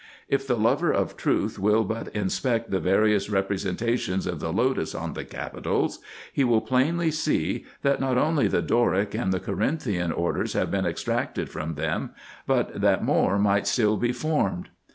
If the lover of truth will but inspect the various representations of the lotus on the capitals, he will plainly see, that not only the Doric and the Corinthian orders have been extracted from them, but that more might still be formed.